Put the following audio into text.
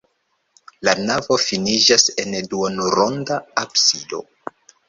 La navo finiĝas en duonronda absido.